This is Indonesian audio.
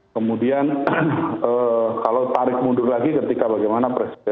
kemudian kalau tarik mundur lagi ketika bagaimana presiden